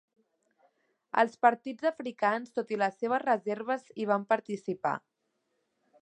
Els partits africans, tot i les seves reserves hi van participar.